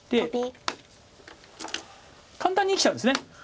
簡単に生きちゃうんです。